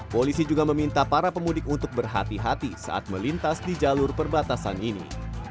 polisi juga meminta para pemudik untuk berhati hati saat melintas di jalur perbatasan ini